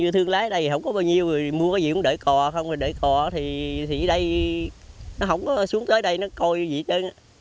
thương lái ở đây không có bao nhiêu mua cái gì cũng đợi cò không đợi cò thì ở đây nó không có xuống tới đây nó coi gì chứ